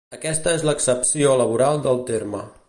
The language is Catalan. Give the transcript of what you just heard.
Aquesta és l'accepció laboral del terme.